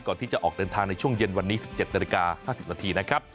ก่อนที่จะออกเดินทางในช่วงเย็นวันนี้๑๗นาฬิกา๕๐นาทีนะครับ